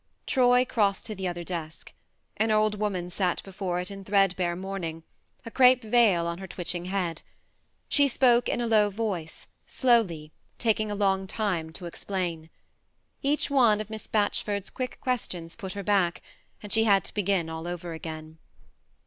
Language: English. Troy crossed to the other desk. An old woman sat before it in threadbare mourning, a crape veil on her twitching head. She spoke in a low voice, slowly, taking a long time to explain ; each one of Miss Batchford's quick questions put her back, and she had to begin all over again.